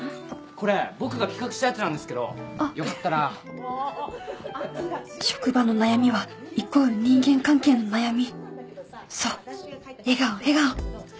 これ僕が企画したやつなんですけど職場の悩みはイコール人間関そう笑顔笑顔！